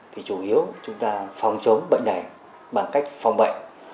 thì chủ yếu chúng ta phòng chống bệnh này bằng cách phòng bệnh